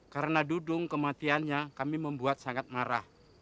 karena dudung kematiannya kami membuat sangat marah